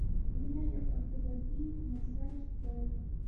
وینه یو ارتباطي نسج دی.